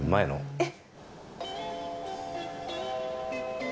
えっ。